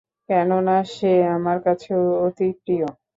কেননা, সে আমার কাছে অতি প্রিয়।